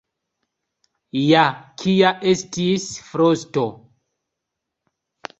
Ja kia estis frosto.